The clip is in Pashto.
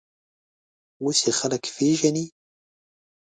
اوس یې خلک پېژني.